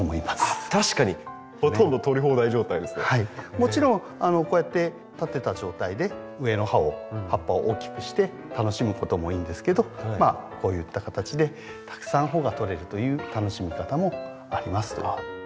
もちろんこうやって立てた状態で上の葉を葉っぱを大きくして楽しむこともいいんですけどまあこういった形でたくさん穂が取れるという楽しみ方もありますという。